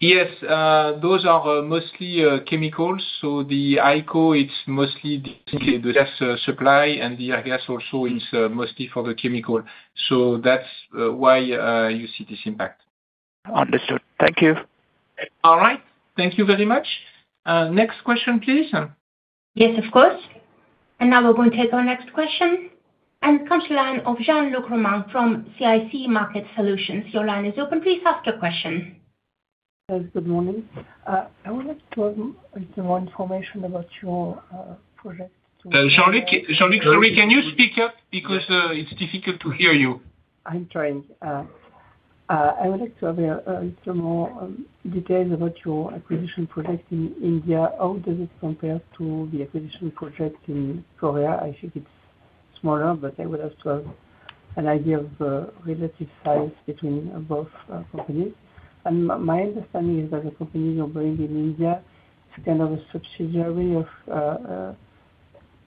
Yes. Those are mostly chemicals. The AECO, it's mostly the gas supply, and the Air Gas also is mostly for the chemical. That's why you see this impact. Understood. Thank you. All right. Thank you very much. Next question, please. Yes, of course. We are going to take our next question. It comes to the line of Jean-Luc Romain from CIC Market Solutions. Your line is open. Please ask your question. Yes. Good morning. I would like to have a little more information about your project. Jean-Luc, sorry, can you speak up? It's difficult to hear you. I would like to have a little more details about your acquisition project in India. How does it compare to the acquisition project in South Korea? I think it's smaller, but I would love to have an idea of the relative size between both companies. My understanding is that the company you're buying in India is a kind of a subsidiary of,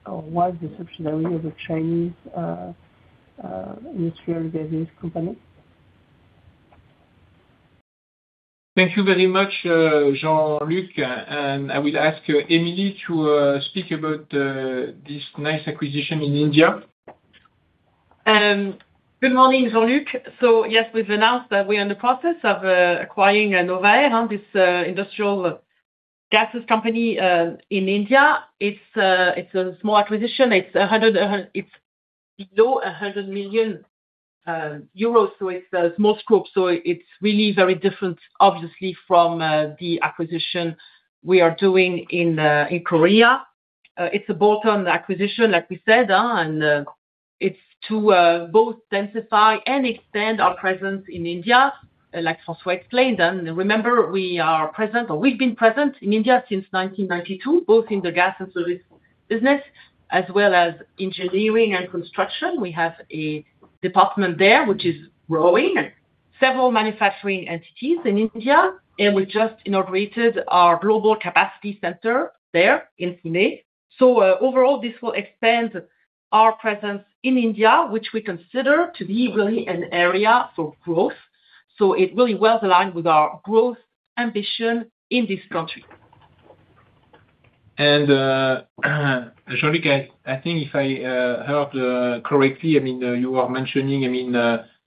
or was the subsidiary of a Chinese industrial gases company. Thank you very much, Jean-Luc. I will ask Emilie to speak about this nice acquisition in India. Good morning, Jean-Luc. Yes, we've announced that we are in the process of acquiring Novair, this industrial gases company in India. It's a small acquisition. It's below 100 million euros. It's a small scope. It's really very different, obviously, from the acquisition we are doing in South Korea. It's a bolt-on acquisition, like we said. It's to both densify and extend our presence in India, like François explained. Remember, we are present, or we've been present in India since 1992, both in the gas and service business, as well as engineering and construction. We have a department there which is growing, several manufacturing entities in India, and we just inaugurated our global capacity center there in Pune. Overall, this will expand our presence in India, which we consider to be really an area for growth. It's really well aligned with our growth ambition in this country. Jean-Luc, I think if I heard correctly, you are mentioning,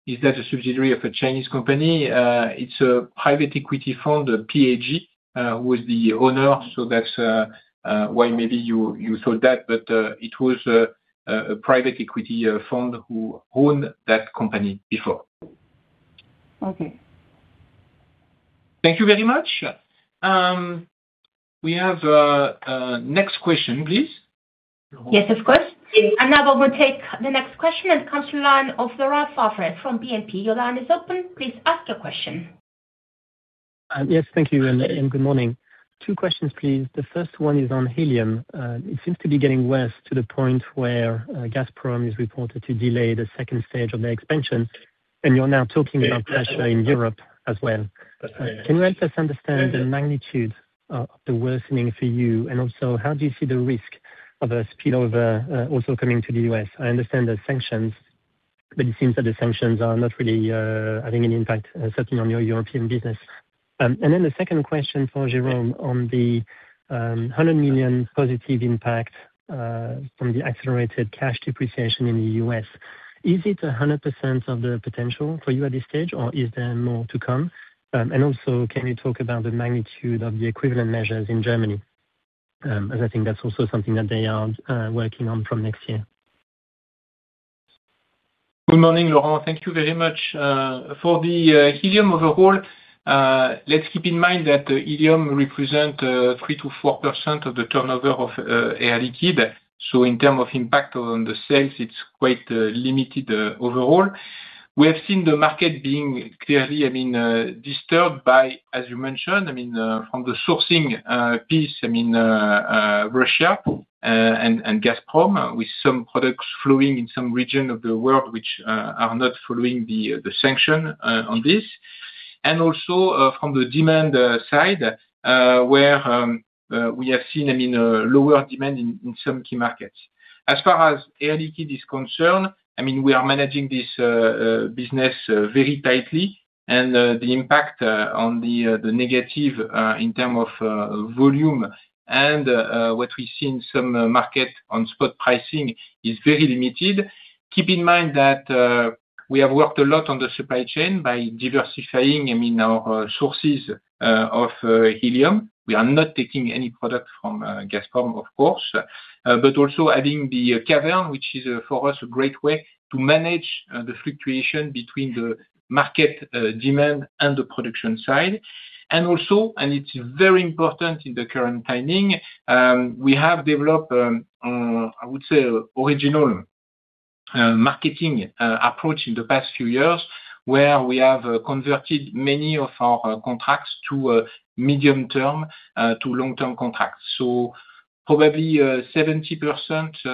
is that a subsidiary of a Chinese company? It's a private equity fund, PAG, who is the owner. That's why maybe you thought that. It was a private equity fund who owned that company before. Okay. Thank you very much. We have a next question, please. Yes, of course. We're going to take the next question. It comes to the line of Laura Farfret from BNP. Your line is open. Please ask your question. Yes. Thank you and good morning. Two questions, please. The first one is on helium. It seems to be getting worse to the point where Gazprom is reported to delay the second stage of their expansion. You're now talking about pressure in Europe as well. Can you help us understand the magnitude of the worsening for you? Also, how do you see the risk of a spillover also coming to the U.S.? I understand there are sanctions, but it seems that the sanctions are not really having any impact, certainly on your European business. The second question for Jérôme on the 100 million positive impact from the accelerated cash depreciation in the U.S. Is it 100% of the potential for you at this stage, or is there more to come? Also, can you talk about the magnitude of the equivalent measures in Germany? I think that's also something that they are working on from next year. Good morning, Laurent. Thank you very much. For the helium overall, let's keep in mind that helium represents 3%-4% of the turnover of Air Liquide. In terms of impact on the sales, it's quite limited overall. We have seen the market being clearly disturbed by, as you mentioned, from the sourcing piece, Russia and Gazprom, with some products flowing in some regions of the world which are not following the sanction on this. Also, from the demand side, we have seen lower demand in some key markets. As far as Air Liquide is concerned, we are managing this business very tightly. The impact on the negative in terms of volume and what we see in some markets on spot pricing is very limited. Keep in mind that we have worked a lot on the supply chain by diversifying our sources of helium. We are not taking any product from Gazprom, of course, but also having the cavern, which is for us a great way to manage the fluctuation between the market demand and the production side. Also, and it's very important in the current timing, we have developed, I would say, an original marketing approach in the past few years where we have converted many of our contracts to medium-term to long-term contracts. Probably 70%-80%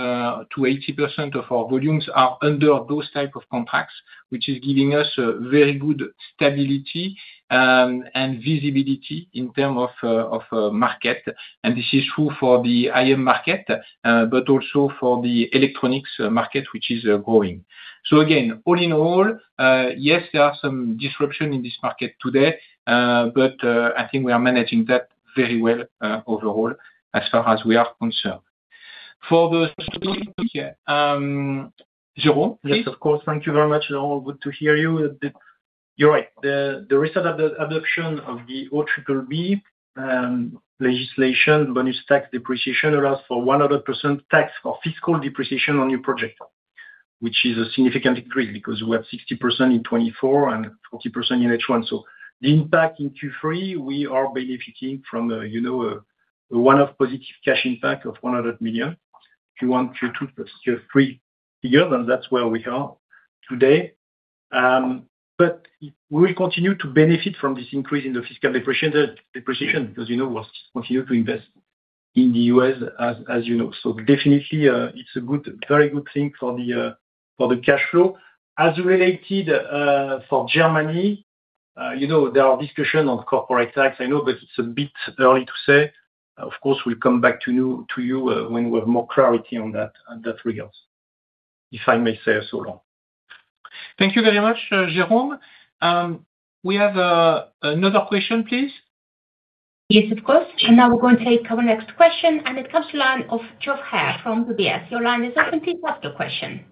of our volumes are under those types of contracts, which is giving us very good stability and visibility in terms of market. This is true for the IM market, but also for the electronics market, which is growing. All in all, yes, there are some disruptions in this market today, but I think we are managing that very well overall as far as we are concerned. For the Jérôme. Yes, of course. Thank you very much, Jérôme. Good to hear you. You're right. The recent adoption of the OBB legislation, bonus tax depreciation, allows for 100% tax for fiscal depreciation on new projects, which is a significant increase because we have 60% in 2024 and 40% in 2021. The impact in Q3, we are benefiting from a one-off positive cash impact of $100 million. Q1, Q2, Q3 figures, and that's where we are today. We will continue to benefit from this increase in the fiscal depreciation because, you know, we'll continue to invest in the U.S., as you know. Definitely, it's a very good thing for the cash flow. As related for Germany, you know, there are discussions on corporate tax, I know, but it's a bit early to say. Of course, we'll come back to you when we have more clarity on that regard, if I may say so long. Thank you very much, Jérôme. We have another question, please. Yes, of course. We are going to take our next question. It comes to the line of Geoffrey Robert Haire from UBS. Your line is open. Please ask your question.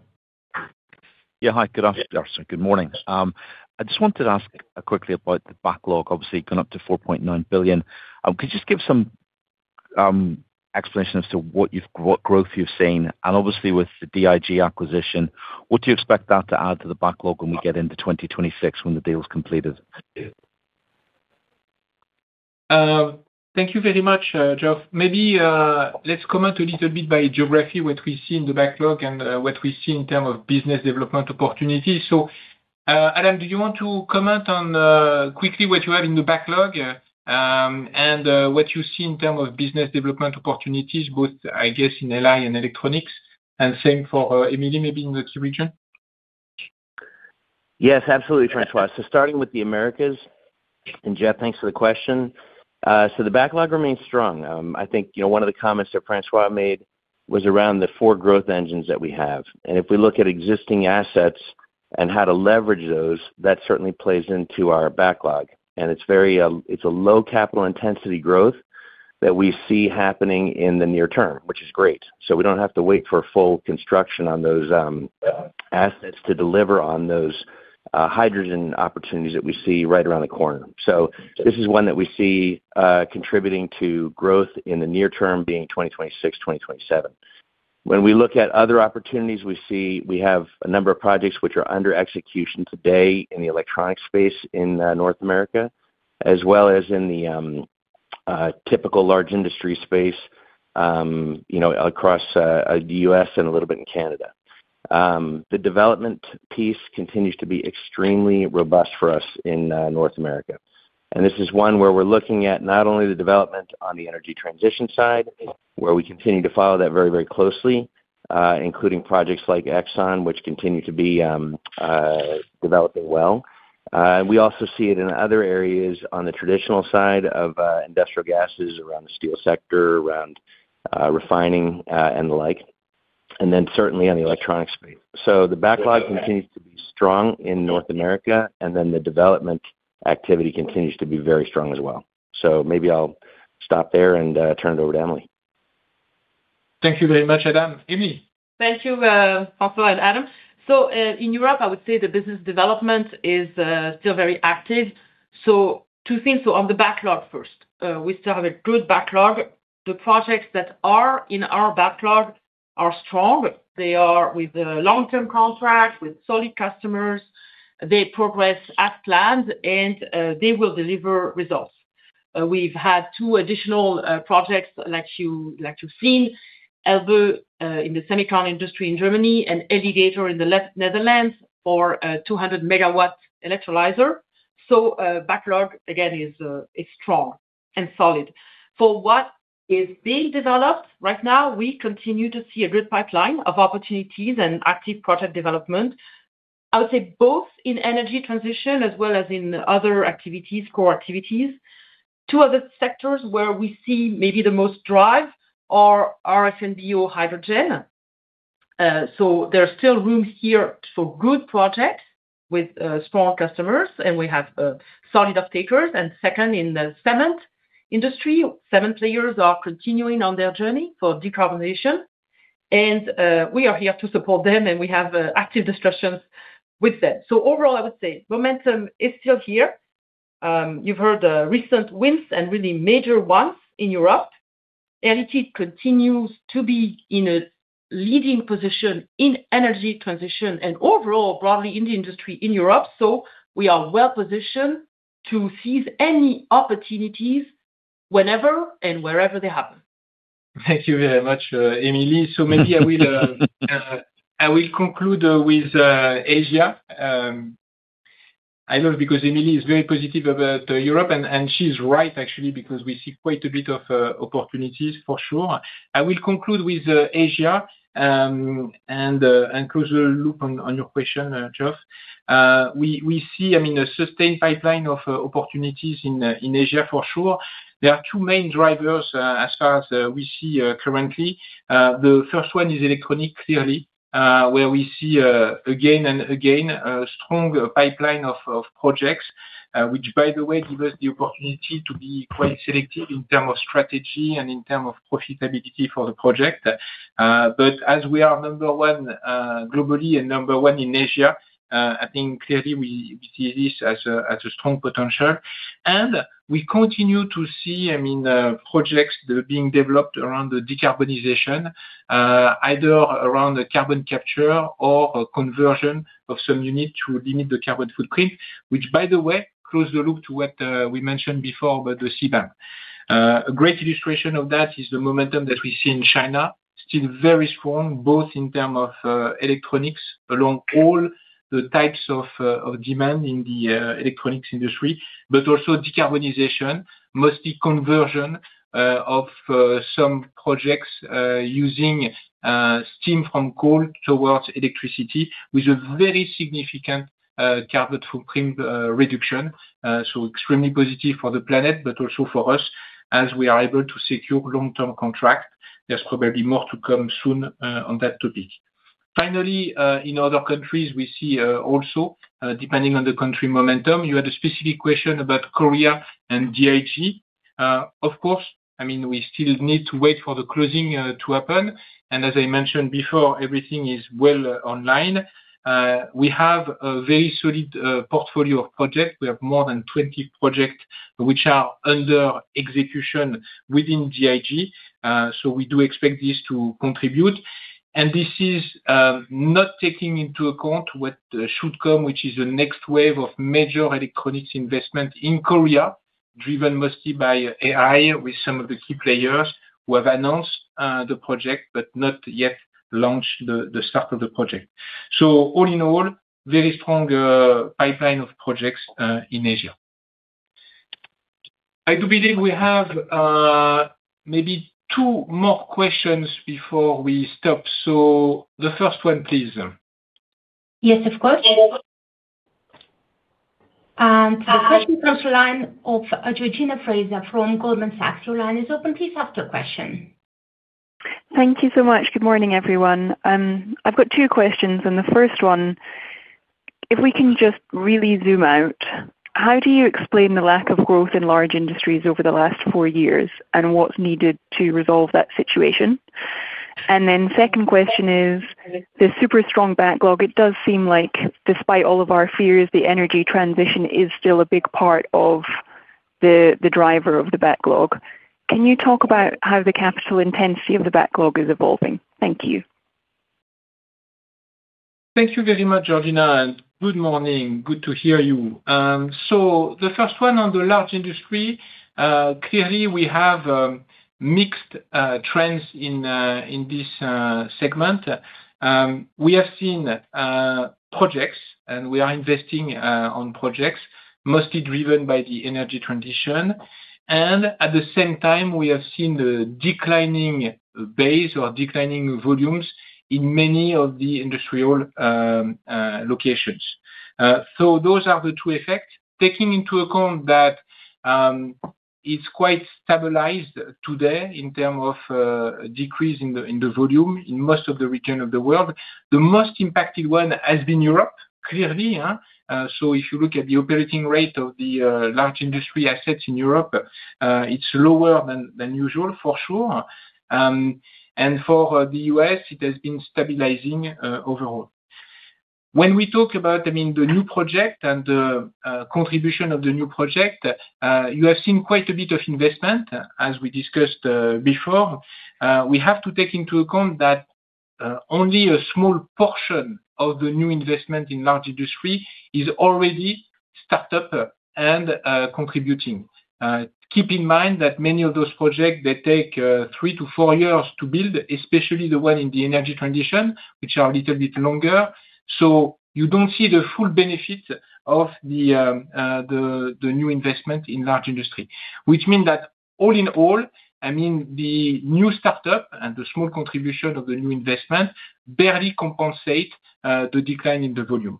Yeah. Hi, Geoffery Haire. Good morning. I just wanted to ask quickly about the backlog, obviously going up to $4.9 billion. Could you just give some explanation as to what growth you've seen? With the DIG Air Gas acquisition, what do you expect that to add to the backlog when we get into 2026 when the deal is completed? Thank you very much, Geoff. Maybe let's comment a little bit by geography, what we see in the backlog, and what we see in terms of business development opportunities. Adam, do you want to comment on quickly what you have in the backlog and what you see in terms of business development opportunities, both, I guess, in AI and electronics? Same for Emilie, maybe in the key region? Yes, absolutely, François. Starting with the Americas, and Geoff, thanks for the question. The backlog remains strong. I think one of the comments that François made was around the four growth engines that we have. If we look at existing assets and how to leverage those, that certainly plays into our backlog. It's a low-capital intensity growth that we see happening in the near term, which is great. We don't have to wait for full construction on those assets to deliver on those hydrogen opportunities that we see right around the corner. This is one that we see contributing to growth in the near term, being 2026, 2027. When we look at other opportunities, we see we have a number of projects which are under execution today in the electronics space in North America, as well as in the typical large industry space across the U.S. and a little bit in Canada. The development piece continues to be extremely robust for us in North America. This is one where we're looking at not only the development on the energy transition side, where we continue to follow that very, very closely, including projects like ExxonMobil, which continue to be developing well. We also see it in other areas on the traditional side of industrial gases, around the steel sector, around refining, and the like, and certainly on the electronics space. The backlog continues to be strong in North America, and the development activity continues to be very strong as well. Maybe I'll stop there and turn it over to Emilie. Thank you very much, Adam. Emilie. Thank you, François and Adam. In Europe, I would say the business development is still very active. Two things. On the backlog first, we still have a good backlog. The projects that are in our backlog are strong. They are with long-term contracts, with solid customers. They progress as planned, and they will deliver results. We've had two additional projects like you've seen, ALBE in the semiconductor industry in Germany and ELYgator electrolyzer in the Netherlands for a 200 MW electrolyzer. Backlog, again, is strong and solid. For what is being developed right now, we continue to see a good pipeline of opportunities and active project development, I would say both in energy transition as well as in other activities, core activities. Two other sectors where we see maybe the most drive are RFNBO hydrogen. There's still room here for good projects with strong customers, and we have solid uptakers. Second, in the cement industry, cement players are continuing on their journey for decarbonization. We are here to support them, and we have active discussions with them. Overall, I would say momentum is still here. You've heard the recent wins and really major ones in Europe. Air Liquide continues to be in a leading position in energy transition and overall broadly in the industry in Europe. We are well positioned to seize any opportunities whenever and wherever they happen. Thank you very much, Emilie. Maybe I will conclude with Asia. I know because Emilie is very positive about Europe, and she's right, actually, because we see quite a bit of opportunities for sure. I will conclude with Asia and close the loop on your question, Geoff. We see a sustained pipeline of opportunities in Asia for sure. There are two main drivers as far as we see currently. The first one is electronics, clearly, where we see again and again a strong pipeline of projects, which, by the way, give us the opportunity to be quite selective in terms of strategy and in terms of profitability for the project. As we are number one globally and number one in Asia, I think clearly we see this as a strong potential. We continue to see projects being developed around decarbonization, either around carbon capture or conversion of some units to limit the carbon footprint, which, by the way, closes the loop to what we mentioned before about the CBAM. A great illustration of that is the momentum that we see in China, still very strong, both in terms of electronics along all the types of demand in the electronics industry, but also decarbonization, mostly conversion of some projects using steam from coal towards electricity, with a very significant carbon footprint reduction. Extremely positive for the planet, but also for us as we are able to secure long-term contracts. There's probably more to come soon on that topic. In other countries, we see also, depending on the country momentum, you had a specific question about Korea and DIG. Of course, we still need to wait for the closing to happen. As I mentioned before, everything is well online. We have a very solid portfolio of projects. We have more than 20 projects which are under execution within DIG. We do expect this to contribute. This is not taking into account what should come, which is the next wave of major electronics investment in Korea, driven mostly by AI, with some of the key players who have announced the project but not yet launched the start of the project. All in all, very strong pipeline of projects in Asia. I do believe we have maybe two more questions before we stop. The first one, please. Yes, of course. The question comes to the line of Georgina Fraser from Goldman Sachs. Your line is open. Please ask your question. Thank you so much. Good morning, everyone. I've got two questions. The first one, if we can just really zoom out, how do you explain the lack of growth in large Industries over the last four years and what's needed to resolve that situation? The second question is, the super strong backlog, it does seem like despite all of our fears, the energy transition is still a big part of the driver of the backlog. Can you talk about how the capital intensity of the backlog is evolving? Thank you. Thank you very much, Georgina, and good morning. Good to hear you. The first one on the large industry, clearly, we have mixed trends in this segment. We have seen projects, and we are investing on projects mostly driven by the energy transition. At the same time, we have seen the declining base or declining volumes in many of the industrial locations. Those are the two effects. Taking into account that it's quite stabilized today in terms of decrease in the volume in most of the region of the world, the most impacted one has been Europe, clearly. If you look at the operating rate of the large industry assets in Europe, it's lower than usual for sure. For the U.S., it has been stabilizing overall. When we talk about the new project and the contribution of the new project, you have seen quite a bit of investment, as we discussed before. We have to take into account that only a small portion of the new investment in large industries is already startup and contributing. Keep in mind that many of those projects, they take three to four years to build, especially the one in the energy transition, which are a little bit longer. You don't see the full benefits of the new investment in large industries, which means that all in all, the new startup and the small contribution of the new investment barely compensate the decline in the volume.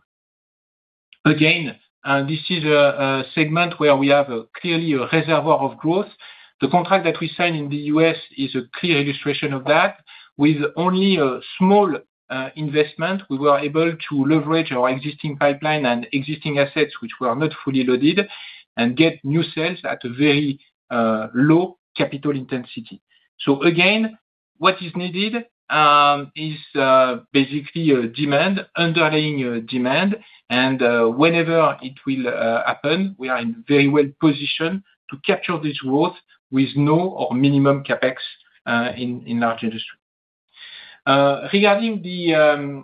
Again, this is a segment where we have clearly a reservoir of growth. The contract that we signed in the U.S. is a clear illustration of that. With only a small investment, we were able to leverage our existing pipeline and existing assets, which were not fully loaded, and get new sales at a very low capital intensity. What is needed is basically a demand, underlying demand. Whenever it will happen, we are in a very well-positioned to capture this growth with no or minimum CapEx in large industries. Regarding the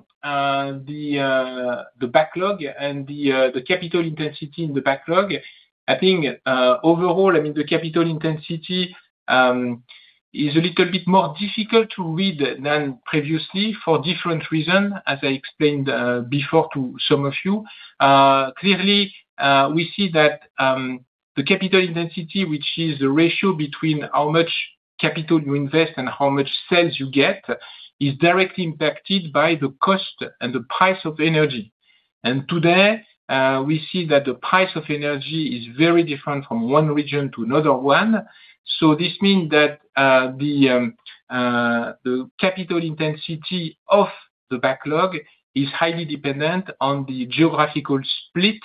backlog and the capital intensity in the backlog, I think overall, the capital intensity is a little bit more difficult to read than previously for different reasons, as I explained before to some of you. Clearly, we see that the capital intensity, which is the ratio between how much capital you invest and how much sales you get, is directly impacted by the cost and the price of energy. Today, we see that the price of energy is very different from one region to another one. This means that the capital intensity of the backlog is highly dependent on the geographical split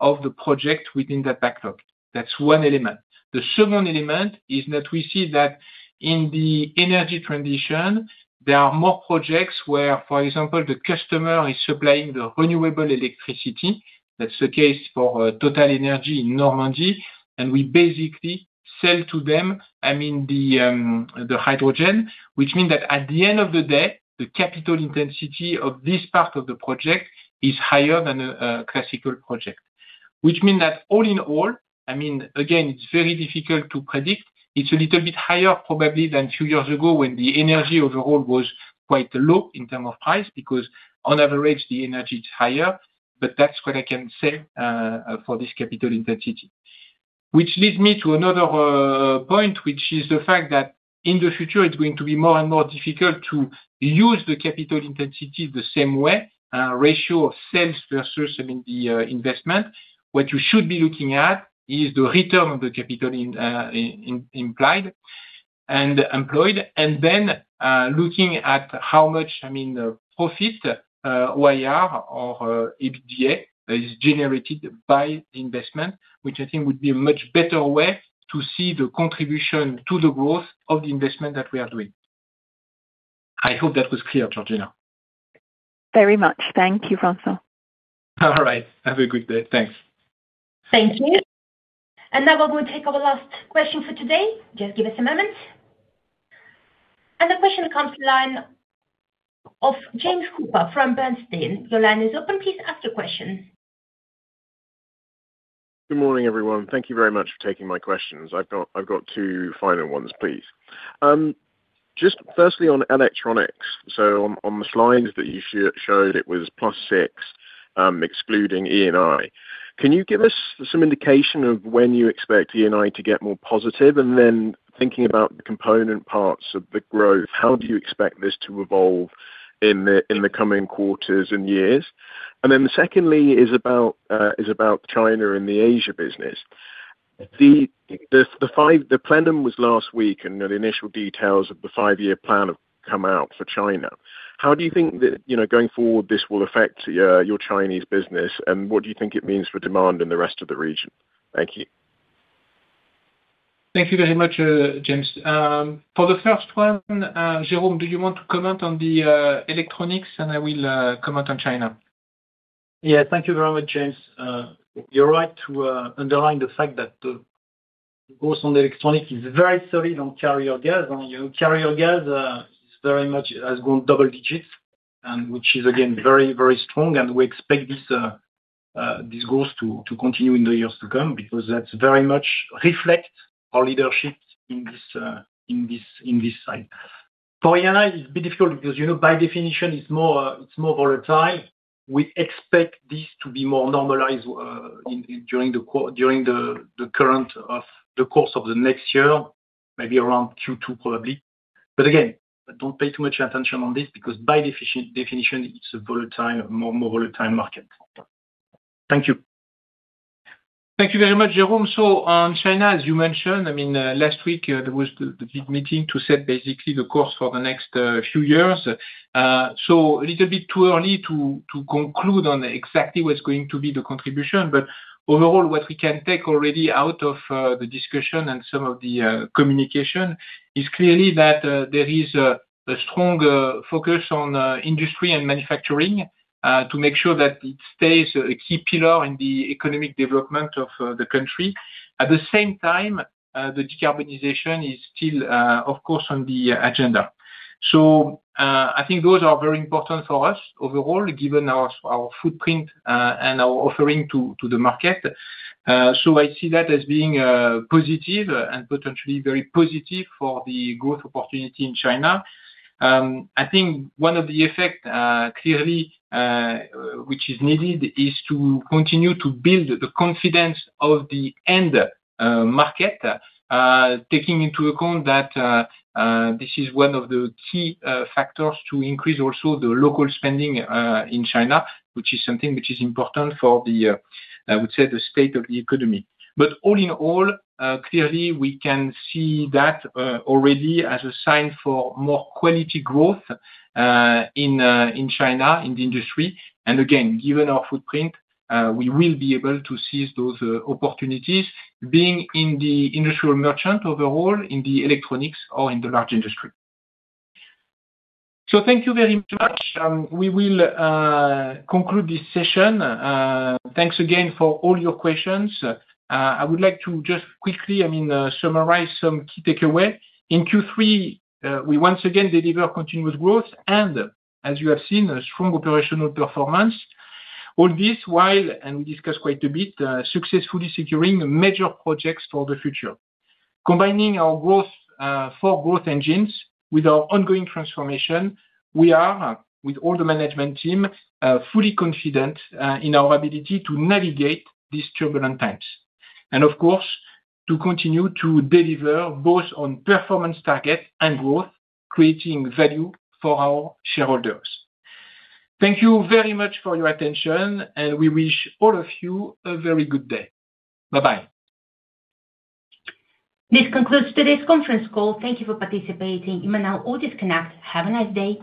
of the project within that backlog. That's one element. The second element is that we see that in the energy transition, there are more projects where, for example, the customer is supplying the renewable electricity. That's the case for TotalEnergies in Normandy. We basically sell to them, I mean, the hydrogen, which means that at the end of the day, the capital intensity of this part of the project is higher than a classical project, which means that all in all, it's very difficult to predict. It's a little bit higher probably than a few years ago when the energy overall was quite low in terms of price because on average, the energy is higher. That's what I can say for this capital intensity, which leads me to another point, which is the fact that in the future, it's going to be more and more difficult to use the capital intensity the same way, ratio of sales versus the investment. What you should be looking at is the return of the capital implied and employed, and then looking at how much profit or EBITDA is generated by the investment, which I think would be a much better way to see the contribution to the growth of the investment that we are doing. I hope that was clear, Georgina. Very much. Thank you, François. All right. Have a good day. Thanks. Thank you. We are going to take our last question for today. Just give us a moment. The question comes to the line of James Hooper from Bernstein. Your line is open. Please ask your question. Good morning, everyone. Thank you very much for taking my questions. I've got two final ones, please. Firstly, on electronics, on the slides that you showed, it was plus 6%, excluding ENI. Can you give us some indication of when you expect ENI to get more positive? Thinking about the component parts of the growth, how do you expect this to evolve in the coming quarters and years? Secondly, about China and the Asia business. The plan was last week, and the initial details of the five-year plan have come out for China. How do you think that, going forward, this will affect your Chinese business? What do you think it means for demand in the rest of the region? Thank you. Thank you very much, James. For the first one, Jérôme, do you want to comment on the electronics, and I will comment on China? Thank you very much, James. You're right to underline the fact that the growth on the electronics is very solid on carrier gas. You know, carrier gas has gone double digits, which is, again, very, very strong. We expect this growth to continue in the years to come because that very much reflects our leadership in this side. For ENI, it's a bit difficult because, you know, by definition, it's more volatile. We expect this to be more normalized during the current course of the next year, maybe around Q2 probably. Again, don't pay too much attention on this because, by definition, it's a more volatile market. Thank you. Thank you very much, Jérôme. On China, as you mentioned, last week, there was the big meeting to set basically the course for the next few years. It is a little bit too early to conclude on exactly what's going to be the contribution. Overall, what we can take already out of the discussion and some of the communication is clearly that there is a strong focus on industry and manufacturing to make sure that it stays a key pillar in the economic development of the country. At the same time, the decarbonization is still, of course, on the agenda. I think those are very important for us overall, given our footprint and our offering to the market. I see that as being positive and potentially very positive for the growth opportunity in China. I think one of the effects clearly which is needed is to continue to build the confidence of the end market, taking into account that this is one of the key factors to increase also the local spending in China, which is something which is important for the state of the economy. All in all, clearly, we can see that already as a sign for more quality growth in China, in the industry. Again, given our footprint, we will be able to seize those opportunities, being in the industrial merchant overall, in the electronics, or in the large industry. Thank you very much. We will conclude this session. Thanks again for all your questions. I would like to just quickly summarize some key takeaways. In Q3, we once again deliver continuous growth and, as you have seen, a strong operational performance. All this while, and we discussed quite a bit, successfully. Projects for the future. Combining our four growth engines with our ongoing transformation, we are, with all the management team, fully confident in our ability to navigate these turbulent times. We will continue to deliver both on performance targets and growth, creating value for our shareholders. Thank you very much for your attention, and we wish all of you a very good day. Bye-bye. This concludes today's conference call. Thank you for participating. You may now all disconnect. Have a nice day.